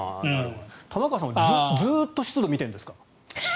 玉川さん、ずっと湿度を見てるんですか？